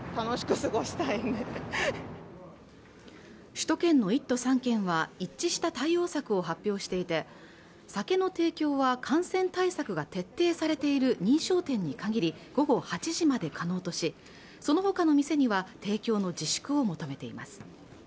首都圏の１都３県は一致した対応策を発表していて酒の提供は感染対策が徹底されている認証店に限り午後８時まで可能としそのほかの店には提供の自粛を求めています